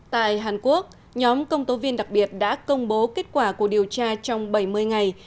tại hàn quốc nhóm công tố viên đặc biệt đã công bố kết quả của điều tra trong bảy mươi ngày